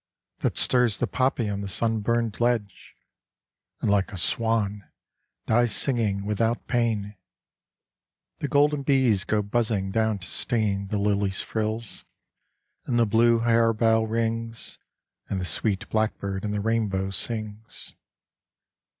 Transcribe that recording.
That stirs the poppy on the sun burned ledge And like a swan dies singing, without pain. The golden bees go buzzing down to stain The lilies' frills, and the blue harebell rings, And the sweet blackbird in the rainbow sings.